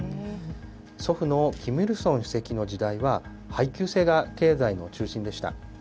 祖父のキム・イルソン主席の時代は、配給制が経済の中心でした。